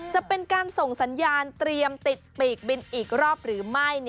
จะเป็นการส่งสัญญาณเตรียมติดปีกบินอีกรอบหรือไม่